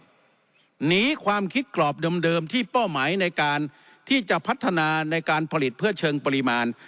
หนีความคิดกรอบเดิมที่เป้าหมายในการที่จะพัฒนาในการผลิตเพื่อเชิงปริมาณ